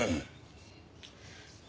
うん。